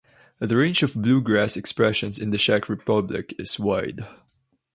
The range of "bluegrass" expressions in the Czech Republic is wide.